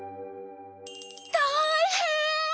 たいへん！